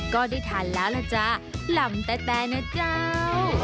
ก็ได้ทานแล้วล่ะจ๊ะลำแต่นะเจ้า